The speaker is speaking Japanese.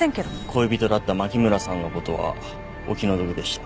恋人だった牧村さんのことはお気の毒でした。